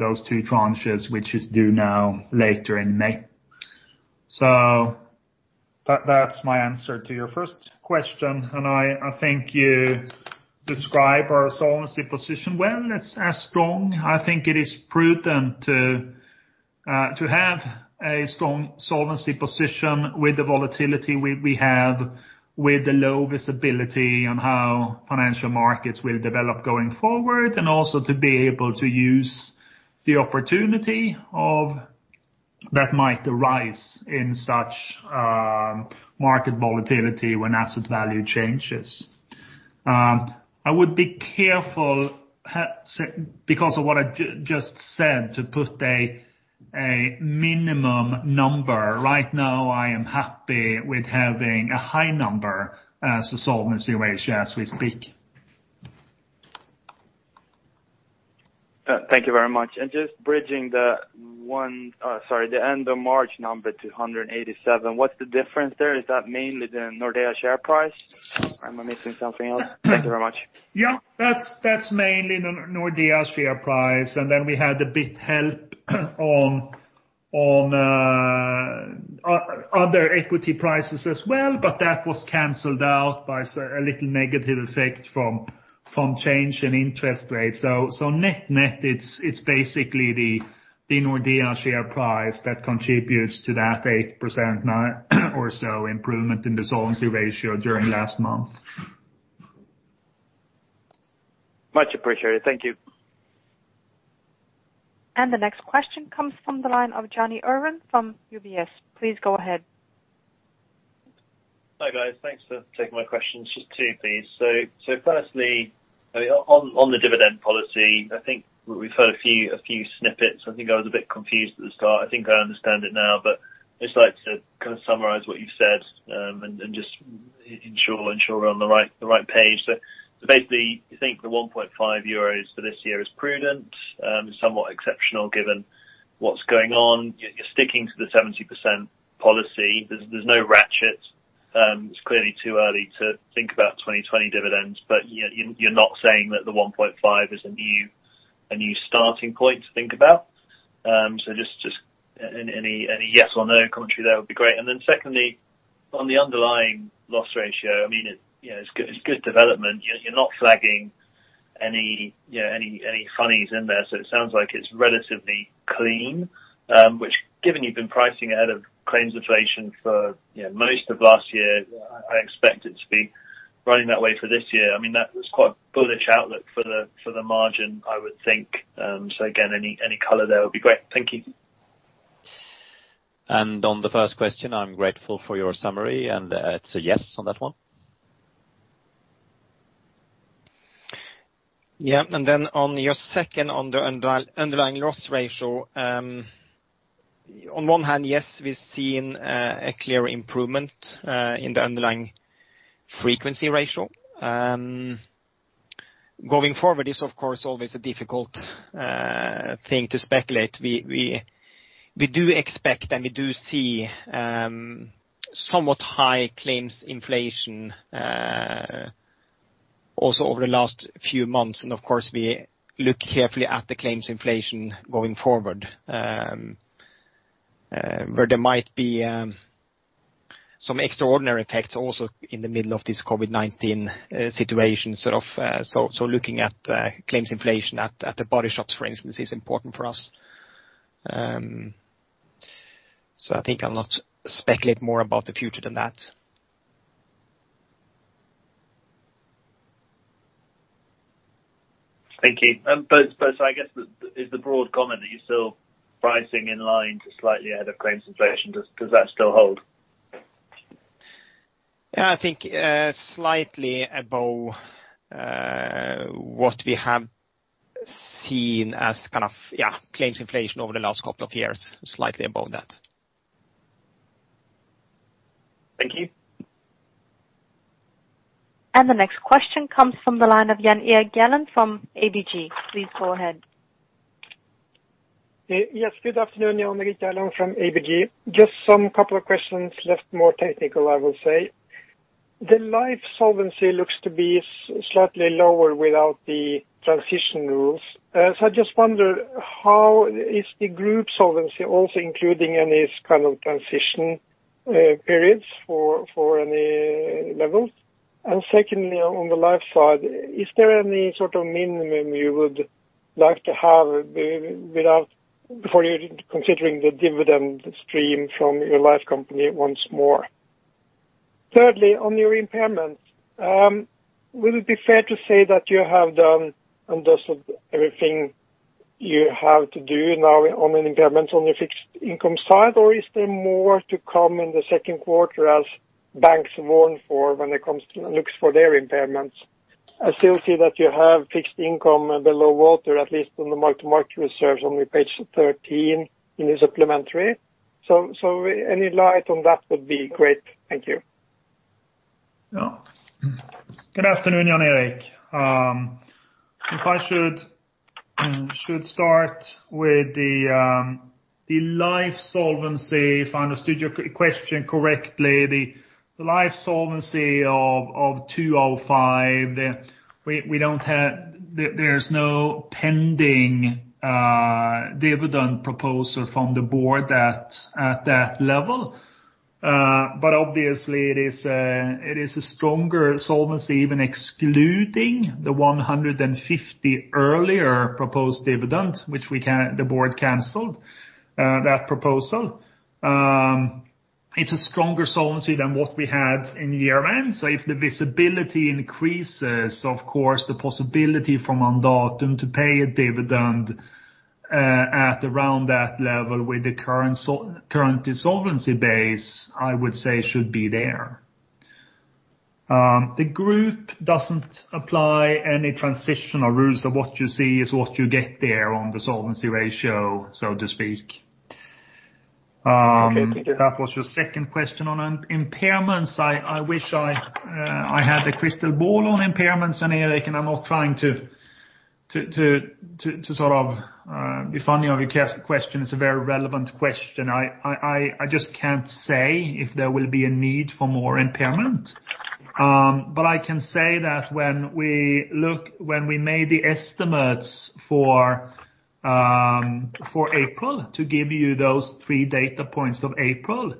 those two tranches, which is due now later in May. That's my answer to your first question, and I think you describe our solvency position well. It's as strong. I think it is prudent to have a strong solvency position with the volatility we have, with the low visibility on how financial markets will develop going forward, and also to be able to use the opportunity that might arise in such market volatility when asset value changes. I would be careful, because of what I just said, to put a minimum number. Right now, I am happy with having a high number as a solvency ratio as we speak. Thank you very much. Just bridging the end of March number to 187%, what's the difference there? Is that mainly the Nordea share price? Am I missing something else? Thank you very much. Yeah. That's mainly Nordea share price. We had a bit help on other equity prices as well, but that was canceled out by a little negative effect from change in interest rates. Net-net, it's basically the Nordea share price that contributes to that 8% or so improvement in the solvency ratio during last month. Much appreciated. Thank you. The next question comes from the line of Jonny Urwin from UBS. Please go ahead. Hi, guys. Thanks for taking my questions. Just two, please. Firstly, on the dividend policy, I think we've heard a few snippets. I think I was a bit confused at the start. I think I understand it now, but I'd just like to kind of summarize what you've said, and just ensure I'm on the right page. Basically, you think the 1.5 euros for this year is prudent, somewhat exceptional given what's going on. You're sticking to the 70% policy. There's no ratchet. It's clearly too early to think about 2020 dividends, but you're not saying that the 1.5 is a new starting point to think about. Just any yes or no commentary there would be great. Secondly, on the underlying loss ratio, it's good development. You're not flagging any funnies in there. It sounds like it's relatively clean, which given you've been pricing ahead of claims inflation for most of last year, I expect it to be running that way for this year. That was quite a bullish outlook for the margin, I would think. Again, any color there would be great. Thank you. On the first question, I'm grateful for your summary, and it's a yes on that one. Yeah. On your second, on the underlying loss ratio, on one hand, yes, we're seeing a clear improvement in the underlying frequency ratio. Going forward is, of course, always a difficult thing to speculate. We do expect, and we do see somewhat high claims inflation also over the last few months. Of course, we look carefully at the claims inflation going forward, where there might be some extraordinary effects also in the middle of this COVID-19 situation. Looking at claims inflation at the body shops, for instance, is important for us. I think I'll not speculate more about the future than that. Thank you. I guess the broad comment that you're still pricing in line to slightly ahead of claims inflation, does that still hold? I think slightly above what we have seen as claims inflation over the last couple of years, slightly above that. Thank you. The next question comes from the line of Jan Erik Gjerland from ABG. Please go ahead. Yes. Good afternoon. Jan Erik Gjerland from ABG. Just some couple of questions, less more technical, I will say. The life solvency looks to be slightly lower without the transition rules. I just wonder, how is the group solvency also including any kind of transition periods for any levels? Secondly, on the life side, is there any sort of minimum you would like to have before you're considering the dividend stream from your life company once more? Thirdly, on your impairment, would it be fair to say that you have done and dusted everything you have to do now on an impairment on your fixed income side, or is there more to come in the second quarter as banks warn for when it comes to looks for their impairments? I still see that you have fixed income below water, at least on the mark-to-market reserves on page 13 in the supplementary. Any light on that would be great. Thank you. Yeah. Good afternoon, Jan Erik. If I should start with the life solvency, if I understood your question correctly, the life solvency of 205%, there's no pending dividend proposal from the board at that level. Obviously it is a stronger solvency even excluding the 1.50 earlier proposed dividend, which the board canceled that proposal. It's a stronger solvency than what we had in year-end. If the visibility increases, of course, the possibility from Mandatum to pay a dividend at around that level with the current solvency base, I would say should be there. The group doesn't apply any transitional rules of what you see is what you get there on the solvency ratio, so to speak. Okay. That was your second question on impairments side. I wish I had a crystal ball on impairments, Jan Erik, and I'm not trying to sort of refine the question, it's a very relevant question. I just can't say if there will be a need for more impairment. I can say that when we made the estimates for April, to give you those three data points of April,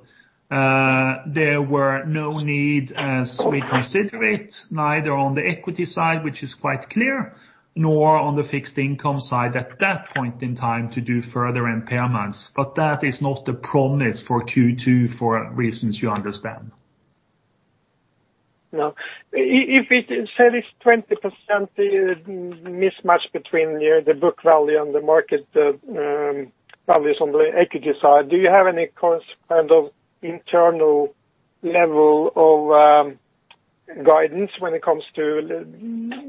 there were no need as we consider it, neither on the equity side, which is quite clear, nor on the fixed income side at that point in time to do further impairments. That is not a promise for Q2 for reasons you understand. No. If it said it's 20% mismatch between the book value and the market, probably is on the equity side, do you have any kind of internal level of guidance when it comes to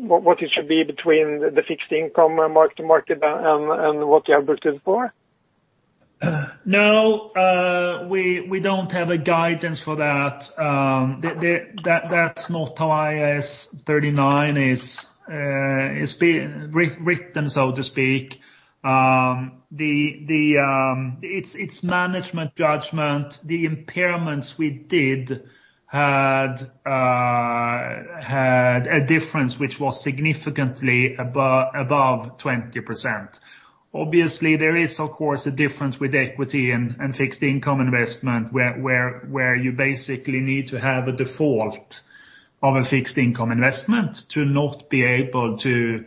what it should be between the fixed income market, and what you have booked it for? No, we don't have a guidance for that. That's not how IAS 39 is written, so to speak. It's management judgment. The impairments we did had a difference which was significantly above 20%. Obviously, there is of course a difference with equity and fixed income investment, where you basically need to have a default of a fixed income investment to not be able to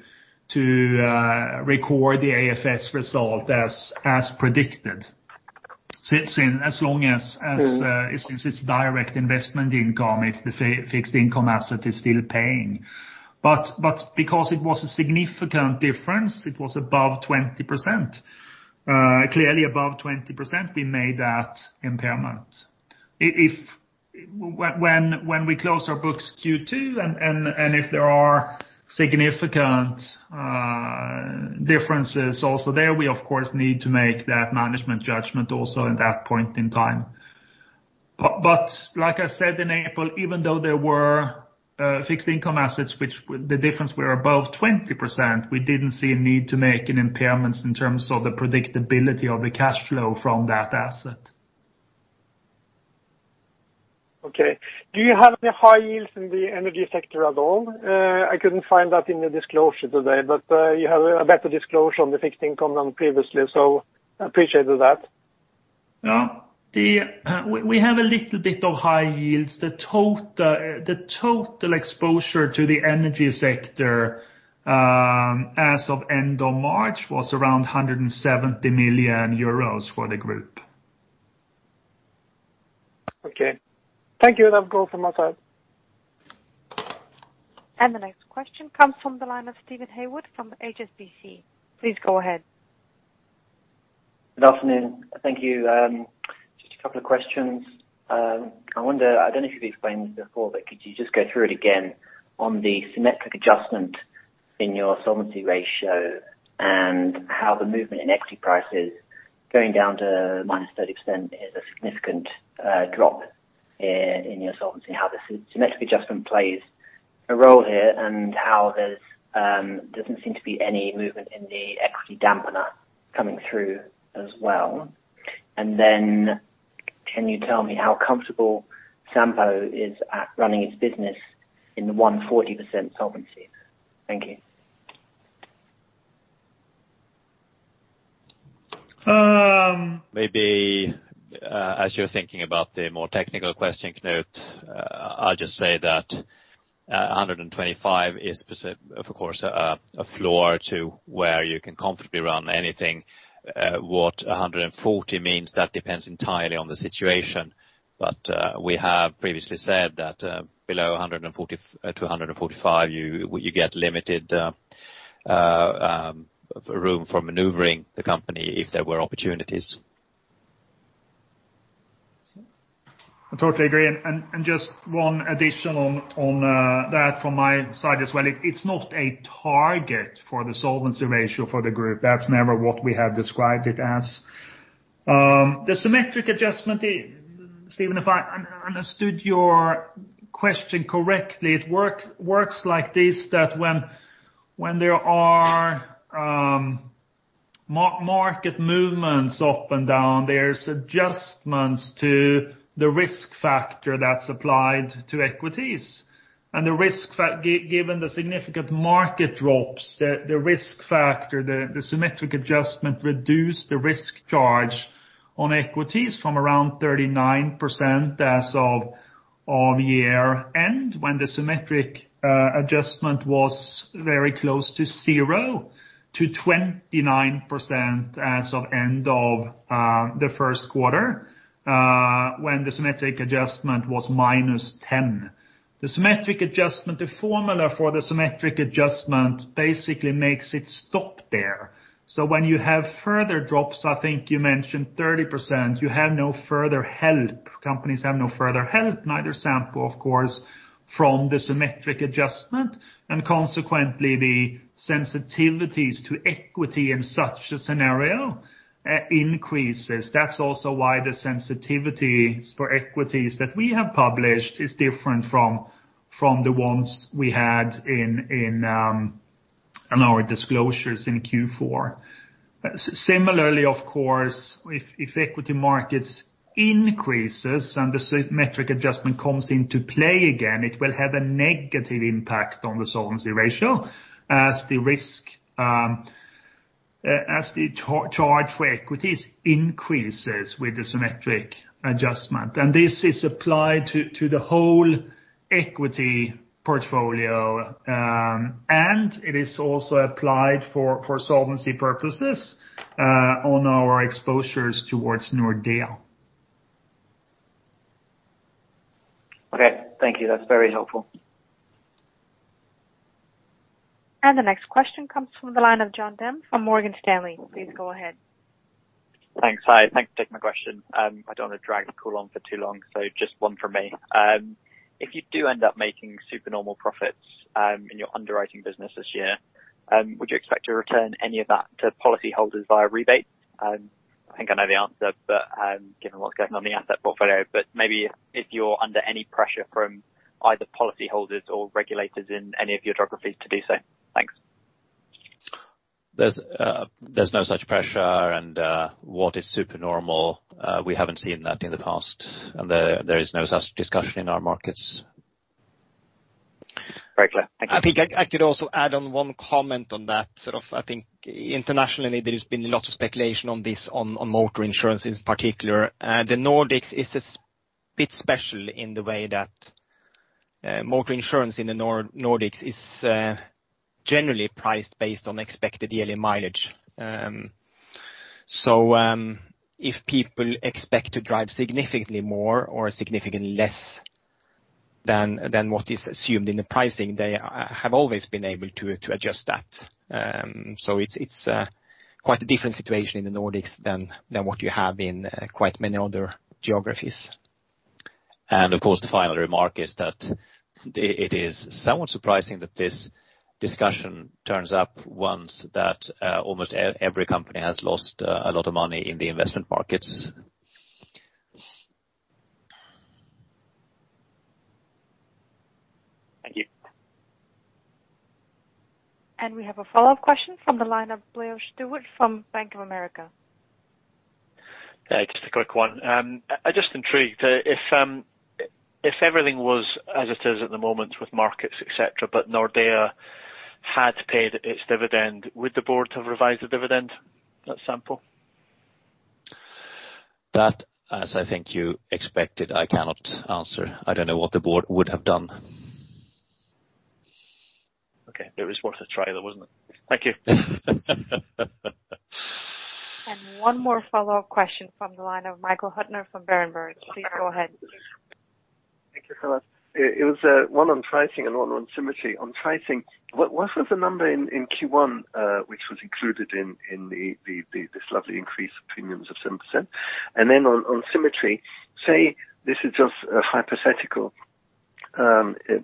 record the AFS result as predicted. Since it's direct investment income, if the fixed income asset is still paying. Because it was a significant difference, it was above 20%, clearly above 20%, we made that impairment. When we close our books Q2, and if there are significant differences also there, we of course need to make that management judgment also at that point in time. Like I said in April, even though there were fixed income assets, which the difference was above 20%, we didn't see a need to make an impairment in terms of the predictability of the cash flow from that asset. Okay. Do you have any high yields in the energy sector at all? I couldn't find that in the disclosure today, but you have a better disclosure on the fixed income than previously, so appreciate of that. We have a little bit of high yields. The total exposure to the energy sector, as of end of March, was around 170 million euros for the group. Okay. Thank you. That's all from my side. The next question comes from the line of Steven Haywood from HSBC. Please go ahead. Good afternoon. Thank you. Just a couple of questions. I wonder, I don't know if you've explained this before, but could you just go through it again on the symmetric adjustment in your solvency ratio and how the movement in equity prices going down to -30% is a significant drop in your solvency, and how the symmetric adjustment plays a role here, and how there's doesn't seem to be any movement in the equity dampener coming through as well. Then can you tell me how comfortable Sampo is at running its business in the 140% solvency? Thank you. Um- Maybe, as you're thinking about the more technical question, Knut, I'll just say that 125% is of course a floor to where you can comfortably run anything. What 140% means, that depends entirely on the situation. We have previously said that below 140%-145%, you get limited room for maneuvering the company if there were opportunities. I totally agree. Just one addition on that from my side as well. It's not a target for the solvency ratio for the group. That's never what we have described it as. The symmetric adjustment, Steven, if I understood your question correctly, it works like this, that when there are market movements up and down, there's adjustments to the risk factor that's applied to equities. Given the significant market drops, the risk factor, the symmetric adjustment reduced the risk charge on equities from around 39% as of year-end, when the symmetric adjustment was very close to 0%-29% as of end of the first quarter, when the symmetric adjustment was -10%. The formula for the symmetric adjustment basically makes it stop there. When you have further drops, I think you mentioned 30%, you have no further help. Companies have no further help, neither Sampo, of course, from the symmetric adjustment. Consequently, the sensitivities to equity in such a scenario increases. That's also why the sensitivities for equities that we have published is different from the ones we had in our disclosures in Q4. Similarly, of course, if equity markets increases and the symmetric adjustment comes into play again, it will have a negative impact on the solvency ratio as the charge for equities increases with the symmetric adjustment. This is applied to the whole equity portfolio, and it is also applied for solvency purposes on our exposures towards Nordea. Okay. Thank you. That's very helpful. The next question comes from the line of Jon Denham from Morgan Stanley. Please go ahead. Thanks. Hi. Thanks for taking my question. I don't want to drag the call on for too long, just one from me. If you do end up making super normal profits in your underwriting business this year, would you expect to return any of that to policy holders via rebate? I think I know the answer, given what's going on the asset portfolio, but maybe if you're under any pressure from either policy holders or regulators in any of your geographies to do so. Thanks. There's no such pressure and what is super normal, we haven't seen that in the past, and there is no such discussion in our markets. Very clear. Thank you. I think I could also add on one comment on that. I think internationally there has been a lot of speculation on this on motor insurance in particular. The Nordics is a bit special in the way that motor insurance in the Nordics is generally priced based on expected yearly mileage. If people expect to drive significantly more or significantly less than what is assumed in the pricing, they have always been able to adjust that. It's quite a different situation in the Nordics than what you have in quite many other geographies. Of course, the final remark is that it is somewhat surprising that this discussion turns up once that almost every company has lost a lot of money in the investment markets. Thank you. We have a follow-up question from the line of Blair Stewart from Bank of America. Yeah, just a quick one. I'm just intrigued. If everything was as it is at the moment with markets, et cetera, but Nordea had paid its dividend, would the board have revised the dividend, at Sampo? That, as I think you expected, I cannot answer. I don't know what the board would have done. Okay. It was worth a try, though, wasn't it? Thank you. One more follow-up question from the line of Michael Huttner from Berenberg. Please go ahead. Thank you so much. It was one on pricing and one on symmetry. On pricing, what was the number in Q1 which was included in this lovely increase of premiums of 7%? On symmetry, say this is just a hypothetical,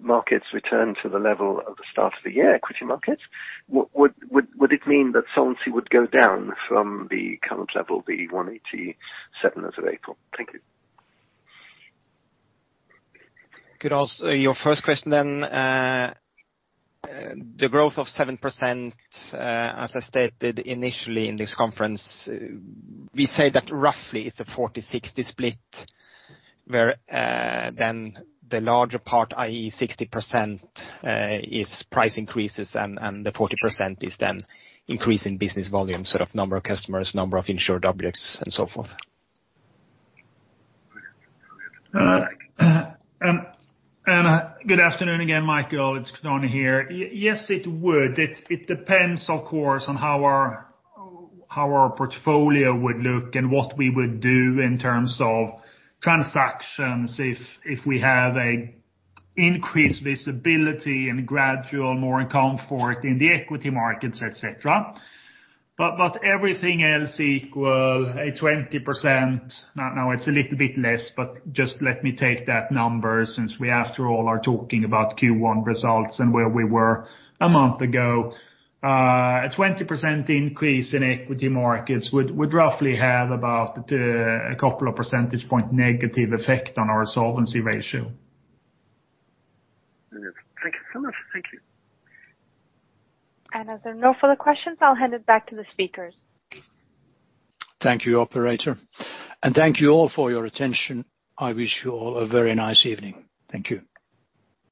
markets return to the level of the start of the year, equity markets, would it mean that solvency would go down from the current level, the 187% as of April? Thank you. Could answer your first question. The growth of 7%, as I stated initially in this conference, we say that roughly it's a 40/60 split, where then the larger part, i.e. 60%, is price increases and the 40% is then increase in business volume, number of customers, number of insured objects and so forth. Good afternoon again, Michael, it's Knut Arne here. Yes, it would. It depends, of course, on how our portfolio would look and what we would do in terms of transactions if we have a increased visibility and gradual more comfort in the equity markets, et cetera. Everything else equal, a 20%, no, it's a little bit less, but just let me take that number since we after all are talking about Q1 results and where we were a month ago. A 20% increase in equity markets would roughly have about a couple of percentage point negative effect on our solvency ratio. Brilliant. Thank you so much. Thank you. As there are no further questions, I'll hand it back to the speakers. Thank you, operator. Thank you all for your attention. I wish you all a very nice evening. Thank you.